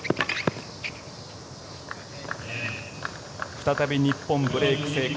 再び日本ブレーク成功。